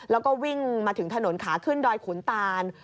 แล้วก็วิ่งมาถึงถนนขาขึ้นดอยขุนตาน